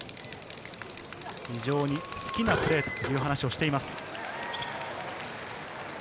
非常に好きなプレーという話をしています。